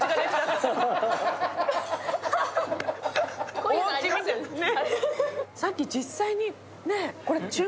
こういうのありますよね。